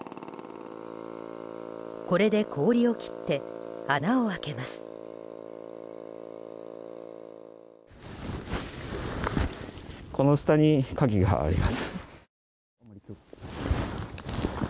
これで氷を切って穴を開けます。